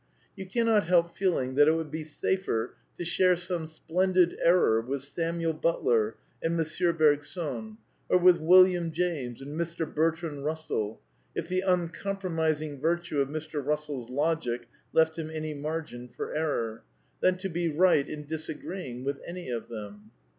You cannot help feeling that it would be safer to share some splendid error with Samuel Butler and M. Bergson, or with William James and Mr. Bertrand Sussell (if the uncompromising virtue of Mr. Eussell's logic left him any margin for error) than to be right in disagreeing with any of them.